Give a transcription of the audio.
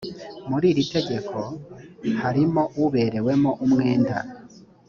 muri iri tegeko harimo uberewemo umwenda